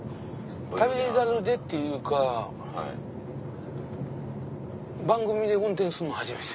『旅猿』でっていうか番組で運転すんの初めて。